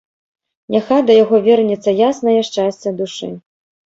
Няхай да яго вернецца яснае шчасце душы.